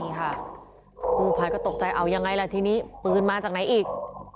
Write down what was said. นี่ค่ะกู้ภัยก็ตกใจเอายังไงล่ะทีนี้ปืนมาจากไหนอีก